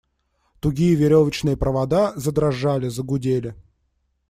Тугие веревочные провода задрожали, загудели.